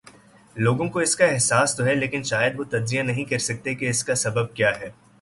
لوگوں کواس کا احساس تو ہے لیکن شاید وہ تجزیہ نہیں کر سکتے کہ اس کا سبب کیا ہے۔